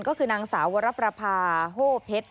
ก็คือนางสาววรประพาโฮเพชร